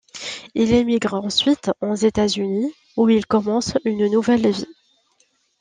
Il émigre ensuite aux États-Unis où il commence une nouvelle vie.